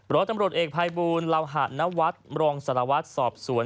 รถตำรวจเอกภายบูรณ์ลาวหานวัดรองสลาวัดสอบสวน